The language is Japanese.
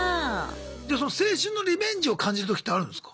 じゃあその青春のリベンジを感じる時ってあるんですか？